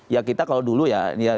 ya kita kalau dulu ya